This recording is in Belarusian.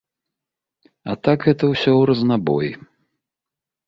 А так гэта ўсё ў разнабой.